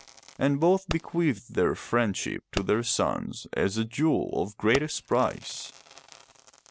And both be queathed their friendship to their sons as a jewel of greatest price.